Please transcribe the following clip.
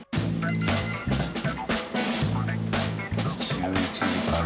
１１時から。